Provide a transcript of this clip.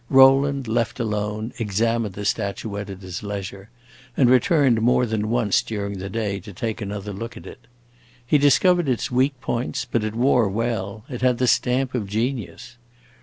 Rowland, left alone, examined the statuette at his leisure, and returned more than once during the day to take another look at it. He discovered its weak points, but it wore well. It had the stamp of genius.